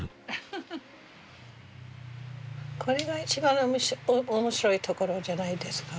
これが一番面白いところじゃないですか？